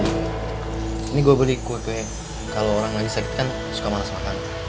ini gue beri kue kue kalau orang lagi sakit kan suka malas makan